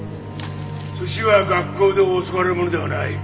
寿司は学校で教わるものではない。